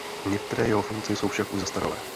Některé jeho funkce jsou však už zastaralé.